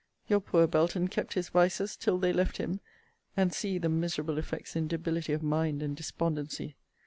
your poor Belton kept his vices, till they left him and see the miserable effects in debility of mind and despondency!